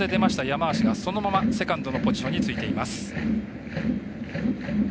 山足がそのままセカンドのポジションについています。